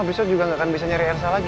besok juga gak akan bisa nyari elsa lagi